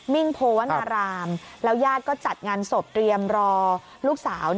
่งโพวนารามแล้วญาติก็จัดงานศพเตรียมรอลูกสาว